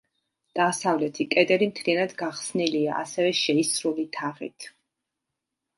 დასავლეთი კედელი მთლიანად გახსნილია ასევე შეისრული თაღით.